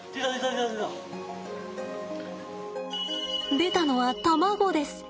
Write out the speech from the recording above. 出たのは卵です。